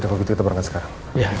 kalau begitu kita berangkat sekarang